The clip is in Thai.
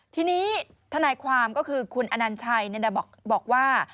ทีนี้ทนายความก็คือคุณอนัญชัยบอกว่า